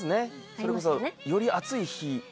それこそより暑い日とか。